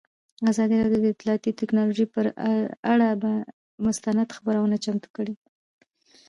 ازادي راډیو د اطلاعاتی تکنالوژي پر اړه مستند خپرونه چمتو کړې.